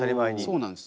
そうなんです。